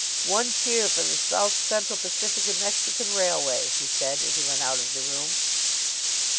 "One cheer for the South Central Pacific and Mexican Railway," he said as he went out of the room.